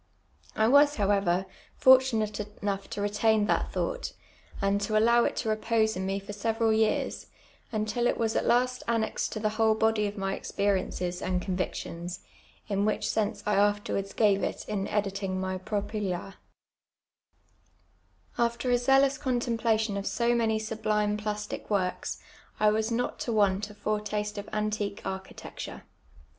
I was, however, fortunate enough to retain that thought, and to allow it to repose in me for several years, tmtil it was at la^ annexed to the whole body of my exper' and con^ ictions, in which sense I after wards gave it in ivtiUii;^ my F ropy la a. After a zealous contemjjlation of so many sublime plastic works. I was not to want a foretaste of antique architecture.